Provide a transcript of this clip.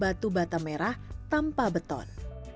batu bata merah tanpa beton